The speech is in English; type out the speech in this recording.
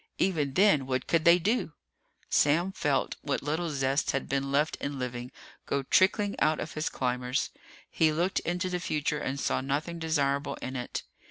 Even then, what could they do? Sam felt what little zest had been left in living go trickling out of his climbers. He looked into the future and saw nothing desirable in it.